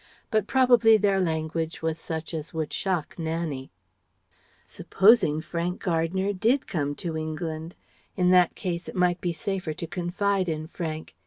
But probably their language was such as would shock Nannie.... Supposing Frank Gardner did come to England? In that case it might be safer to confide in Frank.